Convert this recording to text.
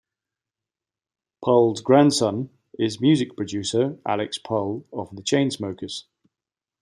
Pall's grandson is music producer Alex Pall of The Chainsmokers.